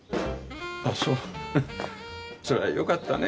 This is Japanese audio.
あっそうそれは良かったね。